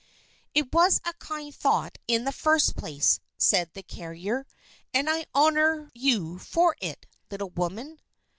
"It was a kind thought in the first place," said the carrier, "and I honor you for it, little woman."